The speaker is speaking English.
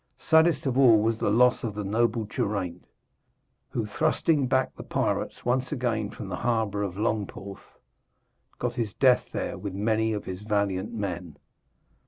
Saddest of all was the loss of the noble Geraint, who, thrusting back the pirates once again from the harbour of Llongporth, got his death there with many of his valiant men.